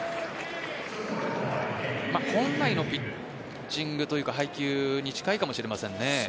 本来のピッチングというか配球に近いかもしれませんね。